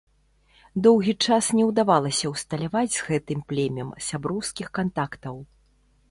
Доўгі час не ўдавалася ўсталяваць з гэтым племем сяброўскіх кантактаў.